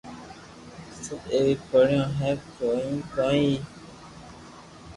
سب ايوي پڙيو رھيو ڪوئي ڪوئي